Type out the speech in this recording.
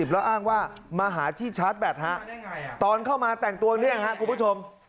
แล้วอ้างว่ามาหาที่ชาร์จแบตตอนเข้ามาแต่งตัวเนี่ยครับคุณผู้ชม